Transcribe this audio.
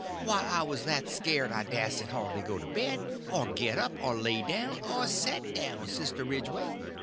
_—why, I was that scared I dasn't hardly go to bed, or get up, or lay down, or set down, Sister Ridgeway.